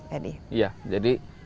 edi iya jadi